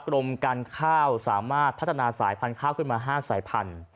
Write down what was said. กรมการค่าวสามารถพัฒนาสายพันคราวขึ้นมา๕สายพัน